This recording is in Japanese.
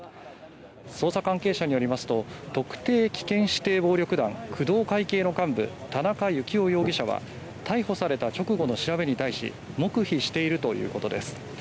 捜査関係者によりますと特定危険指定暴力団工藤会系の幹部、田中幸雄容疑者は逮捕された直後の調べに対し黙秘しているということです。